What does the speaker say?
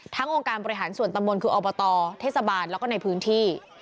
องค์การบริหารส่วนตำบลคืออบตเทศบาลแล้วก็ในพื้นที่